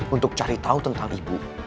untuk cari tahu tentang ibu